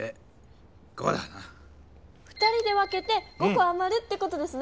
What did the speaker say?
２人で分けて５こあまるってことですね！